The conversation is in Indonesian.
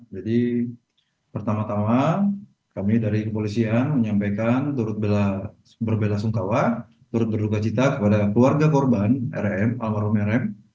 jadi pertama tama kami dari kepolisian menyampaikan turut berbela sungkawa turut berluka cita kepada keluarga korban rm almarhum rm